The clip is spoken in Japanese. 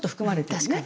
確かに。